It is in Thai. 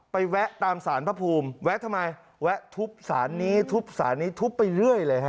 แวะตามสารพระภูมิแวะทำไมแวะทุบสารนี้ทุบสารนี้ทุบไปเรื่อยเลยฮะ